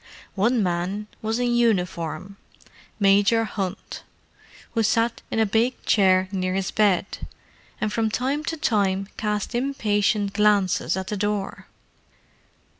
One man was in uniform: Major Hunt, who sat in a big chair near his bed, and from time to time cast impatient glances at the door.